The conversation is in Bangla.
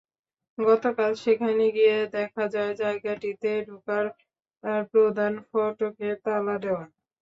গতকাল সেখানে গিয়ে দেখা যায়, জায়গাটিতে ঢোকার প্রধান ফটকে তালা দেওয়া।